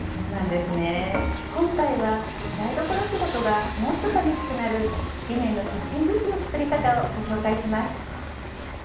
今回は台所仕事がもっと楽しくなるリネンのキッチングッズの作り方をご紹介します。